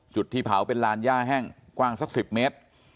จุดที่เผาเป็นลานย่าแห้งกว้างสัก๑๐เมตร